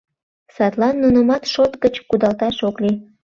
Садлан нунымат шот гыч кудалташ ок лий.